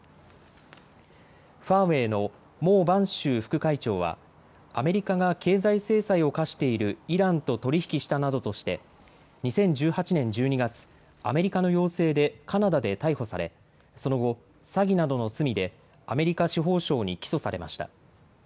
ファーウェイの孟晩舟副会長はアメリカが経済制裁を科しているイランと取り引きしたなどとして２０１８年１２月、アメリカの要請でカナダで逮捕されその後、詐欺などの罪でアメリカ司法省に起訴されました。